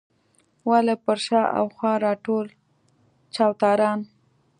ولې پر شا او خوا راټول چوتاران.